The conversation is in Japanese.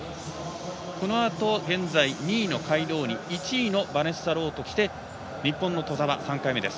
このあと、現在２位のカイローニ１位のバネッサ・ローときて日本の兎澤、３回目です。